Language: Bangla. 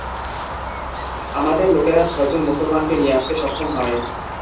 আমাদের লোকেরা ছয়জন মুসলমানকে নিয়ে আসতে সক্ষম হয়।